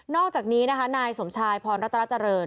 นอกจากนี้นายสมชายพรรษรัตราเจริญ